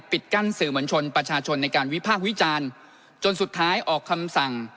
กั้นสื่อมวลชนประชาชนในการวิพากษ์วิจารณ์จนสุดท้ายออกคำสั่ง